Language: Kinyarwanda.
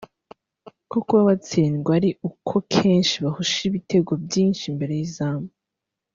ko kuba batsindwa ari uko kenshi bahusha ibitego byinshi imbere y’izamu